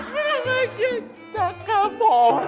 มันทำให้จิตจัดกรรมผม